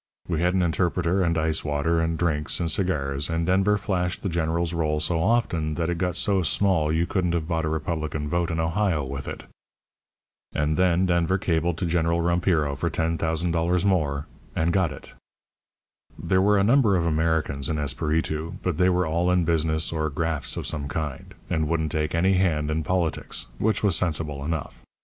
We had an interpreter, and ice water, and drinks, and cigars, and Denver flashed the General's roll so often that it got so small you couldn't have bought a Republican vote in Ohio with it. "And then Denver cabled to General Rompiro for ten thousand dollars more and got it. "There were a number of Americans in Esperitu, but they were all in business or grafts of some kind, and wouldn't take any hand in politics, which was sensible enough.